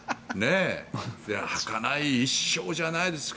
はかない一生じゃないですか。